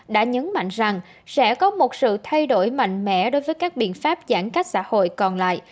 đã nhấn mạnh rằng sẽ có một sự thay đổi mạnh mẽ đối với các biện pháp giãn cách xã hội còn lại